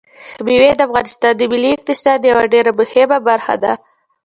مېوې د افغانستان د ملي اقتصاد یوه ډېره مهمه برخه ده.